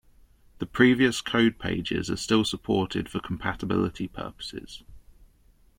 The previous code pages are still supported for compatibility purposes.